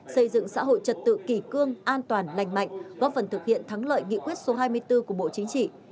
xây dựng xã hội trật tự kỷ cương an toàn lành mạnh góp phần thực hiện thắng lợi nghị quyết số hai mươi bốn của bộ chính trị